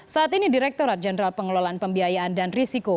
saat ini direkturat jenderal pengelolaan pembiayaan dan risiko